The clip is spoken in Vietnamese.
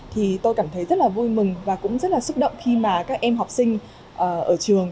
thì tôi cảm thấy rất là vui mừng và cũng rất là xúc động khi mà các em học sinh ở trường